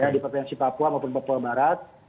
di provinsi papua maupun papua barat